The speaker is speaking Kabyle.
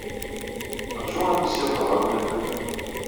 Ṛju ad k-ssiwḍeɣ ɣer unafag.